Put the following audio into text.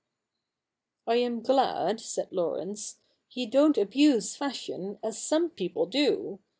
* I am glad,' said Laurence, ' you don't abuse fashion as some people do.